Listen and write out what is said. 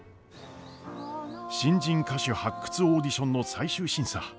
新人歌手発掘オーディションの最終審査。